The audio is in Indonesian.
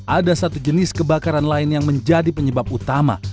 ada satu jenis kebakaran lain yang menjadi penyebab utama